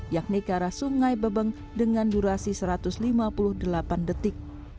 yakni ke arah sungai bebeng dengan durasi satu ratus lima puluh delapan detik